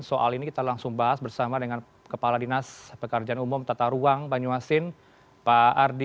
soal ini kita langsung bahas bersama dengan kepala dinas pekerjaan umum tata ruang banyuasin pak ardi